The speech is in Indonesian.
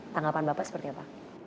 tanggapan bapak seperti apa